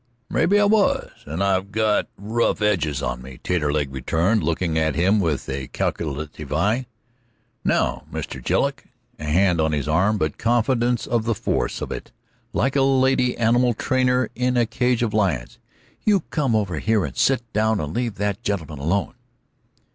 "Maybe I was, and I've got rough edges on me," Taterleg returned, looking up at him with calculative eye. "Now, Mr. Jedlick" a hand on his arm, but confident of the force of it, like a lady animal trainer in a cage of lions "you come on over here and set down and leave that gentleman alone."